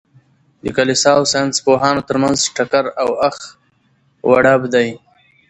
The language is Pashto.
د کلیسا او ساینس پوهانو تر منځ ټکر او اخ و ډب دئ.